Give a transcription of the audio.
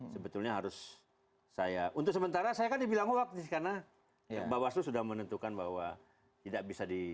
sebetulnya harus saya untuk sementara saya kan dibilang waktu karena bawaslu sudah menentukan bahwa tidak bisa di